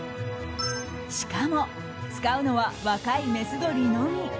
しかも、使うのは若いメス鶏のみ。